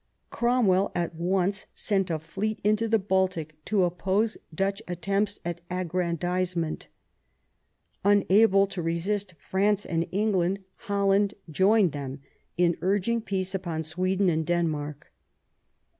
Cromwell at once sent a fleet into the Baltic to oppose Dutch attempts at aggrandise ment. Unable to resist France and England, Holland joined them in urging peace upon Sweden and Denmark.